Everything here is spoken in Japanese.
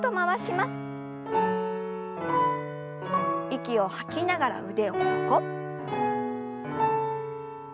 息を吐きながら腕を横。